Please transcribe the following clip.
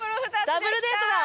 ダブルデートだ！